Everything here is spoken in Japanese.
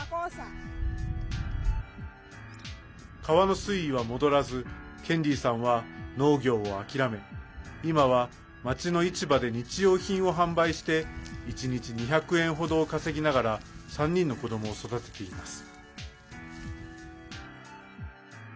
川の水位は戻らずケンディさんは農業を諦め今は町の市場で日用品を販売して１日２００円程を稼ぎながら３人の子どもを育ています。